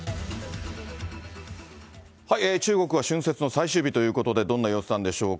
中国は春節の最終日ということで、どんな様子なんでしょうか。